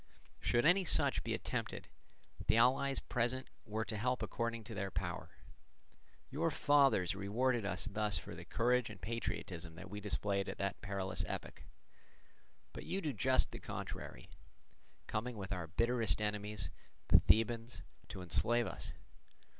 Should any such be attempted, the allies present were to help according to their power. Your fathers rewarded us thus for the courage and patriotism that we displayed at that perilous epoch; but you do just the contrary, coming with our bitterest enemies, the Thebans, to enslave us.